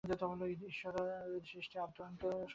ঈশ্বর ও সৃষ্টি আদ্যন্তহীন দুইটি সমান্তরাল রেখা।